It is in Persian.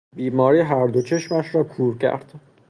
بیماری هر دو چشمش را کور کرد.